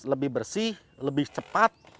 lebih bersih lebih cepat